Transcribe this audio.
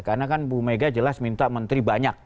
karena kan bu mega jelas minta menteri banyak